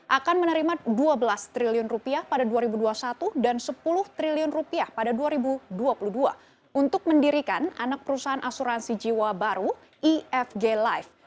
akan menerima dua belas triliun rupiah pada dua ribu dua puluh satu dan rp sepuluh triliun rupiah pada dua ribu dua puluh dua untuk mendirikan anak perusahaan asuransi jiwa baru ifg life